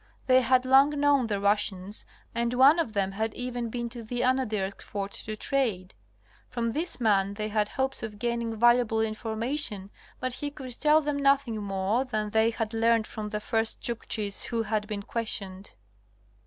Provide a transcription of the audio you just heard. They had long known the Russians and one of them had even been to the Anadyrsk fort to trade. From this man they 'had hopes of gaining valuable information but he could tell them nothing more than they had learned from the first Chukchis who had been questioned.